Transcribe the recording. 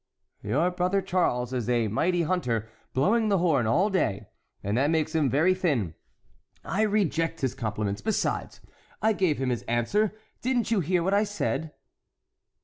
"Your brother Charles is a mighty hunter blowing the horn all day, and that makes him very thin. I reject his compliments; besides, I gave him his answer—didn't you hear what I said?"